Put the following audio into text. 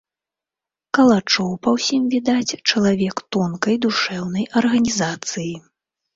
Калачоў, па ўсім відаць, чалавек тонкай душэўнай арганізацыі.